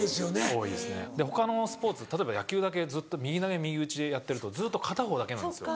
多いですねで他のスポーツ例えば野球だけ右投げ右打ちでやってるとずっと片方だけなんですよ。